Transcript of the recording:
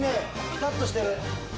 ピタっとしてる。